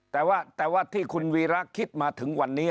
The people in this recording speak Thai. แต่ว่าที่คุณวีระคิดมาถึงวันนี้